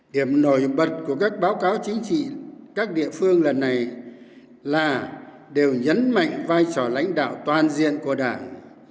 điểm nổi bật của các báo cáo chính trị các địa phương lần này là đều nhấn mạnh vai trò lãnh đạo toàn diện của đảng